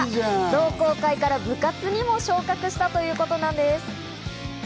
同好会から部活にも昇格したということなんです。